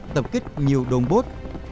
tập kích nhiều đồn bốt